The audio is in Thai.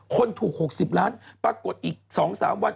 คนถูก๖๐ล้านปรากฏอีก๒๓วัน